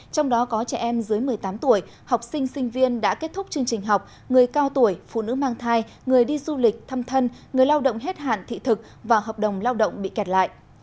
trong đó có trẻ em dưới một mươi tám tuổi học sinh sinh viên đã kết thúc chương trình học người cao tuổi phụ nữ mang thai người đi du lịch thăm thân người lao động hết hạn thị thực và hợp đồng lao động bị kẹt lại